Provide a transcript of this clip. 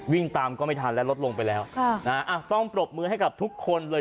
วิ่งตามก็ไม่ทันและรถลงไปแล้วต้องปรบมือให้กับทุกคนเลย